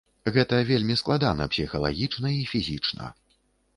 Гэта вельмі складана псіхалагічна і фізічна.